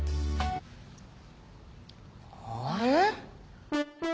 あれ？